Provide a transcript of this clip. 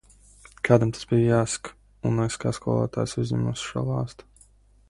Kādam tas bija jāsaka, un es, kā skolotājs, uzņēmos šo lāstu.